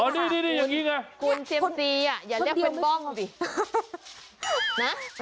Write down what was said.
คุณเซียมซีอ่ะอย่าเรียกเป็นบ้องอ่ะสิ